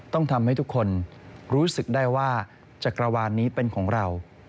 ต้องทำให้ทุกคนรู้สึกได้ว่าจักรวาลนี้เป็นของเรา